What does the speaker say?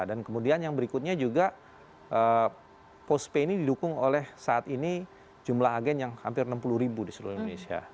dan kemudian yang berikutnya juga postpay ini didukung oleh saat ini jumlah agen yang hampir enam puluh ribu di seluruh indonesia